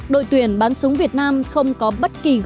đội tuyển bán súng việt nam không có bất kỳ lực lượng